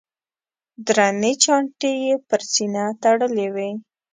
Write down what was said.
درنې چانټې یې پر سینه تړلې وې.